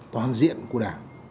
toàn diện của đảng